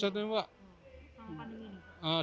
sama pandemi ini